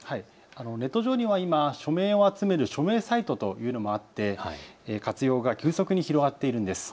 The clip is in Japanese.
ネット上には今、署名を集める署名サイトというのもあって活用が急速に広がっているんです。